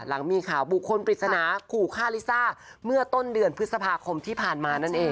หลังมีข่าวบุคคลปริศนาขู่ฆ่าลิซ่าเมื่อต้นเดือนพฤษภาคมที่ผ่านมานั่นเอง